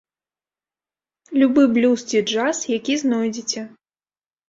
Любы блюз ці джаз, які знойдзеце!